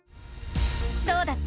どうだった？